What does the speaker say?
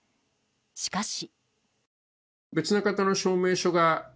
しかし。